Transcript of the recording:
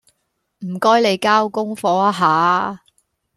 唔該你交功課呀吓